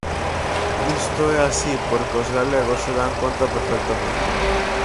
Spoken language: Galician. Isto é así porque os galegos se dan conta perfectamente.